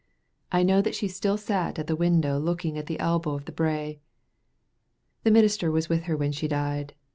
I know that she still sat at the window looking at the elbow of the brae. The minister was with her when she died.